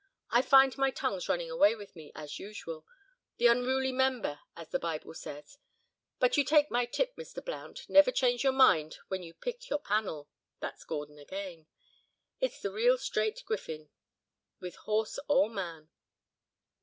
I find my tongue's running away with me, as usual—the unruly member, as the Bible says. But you take my tip, Mr. Blount, 'never change your mind when you pick your panel' (that's Gordon again), it's the real straight griffin, with horse or man."